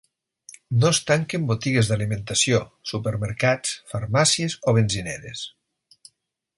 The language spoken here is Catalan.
No es tanquen botigues d’alimentació, supermercats, farmàcies o benzineres.